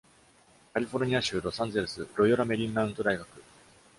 カリフォルニア州ロサンゼルス、ロヨラ・メリーマウント大学。